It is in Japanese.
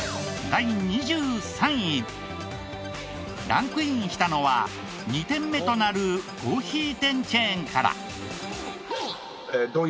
ランクインしたのは２店目となるコーヒー店チェーンから。